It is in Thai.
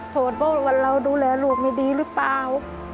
โทษเพราะว่าเราดูแลลูกไม่ดีหรือเปล่า